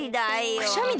くしゃみで？